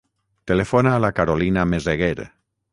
Telefona a la Carolina Meseguer.